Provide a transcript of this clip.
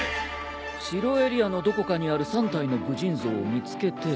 城エリアのどこかにある３体の武人像を見つけて。